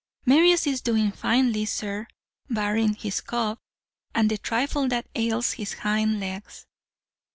"'Marius is doing finely, sir, barring his cough, and the trifle that ails his hind legs.'